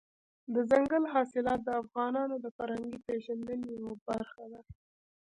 دځنګل حاصلات د افغانانو د فرهنګي پیژندنې یوه برخه ده.